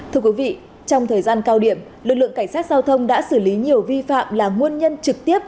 thưa quý vị trong thời gian cao điểm lực lượng cảnh sát giao thông đã xử lý nhiều vi phạm là nguồn nhân trực tiếp